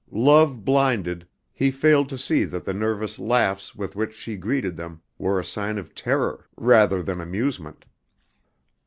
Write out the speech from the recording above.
Love blinded, he failed to see that the nervous laughs with which she greeted them were a sign of terror rather than amusement.